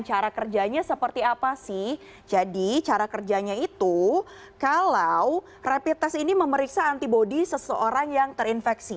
cara kerjanya seperti apa sih jadi cara kerjanya itu kalau rapid test ini memeriksa antibody seseorang yang terinfeksi